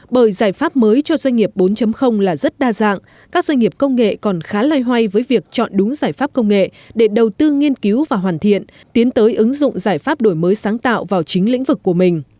bởi giải pháp mới cho doanh nghiệp bốn là rất đa dạng các doanh nghiệp công nghệ còn khá loay hoay với việc chọn đúng giải pháp công nghệ để đầu tư nghiên cứu và hoàn thiện tiến tới ứng dụng giải pháp đổi mới sáng tạo vào chính lĩnh vực của mình